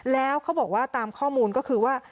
แล้วเขาบอกว่าตามข้อมูลก็คือว่า